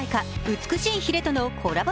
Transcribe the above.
「美しい鰭」とのコラボ